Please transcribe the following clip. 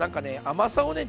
甘さをね